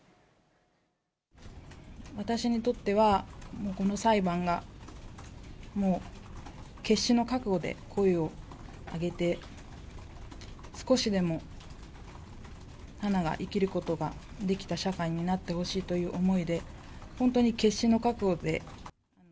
私にとっては、この裁判がもう決死の覚悟で声を上げて、少しでも花が生きることができた社会になってほしいという思いで、本当に決死の覚悟で。